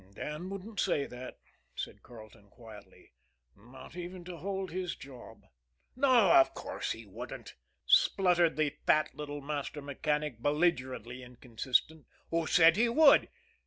"Dan wouldn't say that," said Carleton quietly, "not even to hold his job." "No, of course he wouldn't!" spluttered the fat little master mechanic, belligerently inconsistent. "Who said he would?